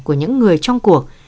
của những người trong cuộc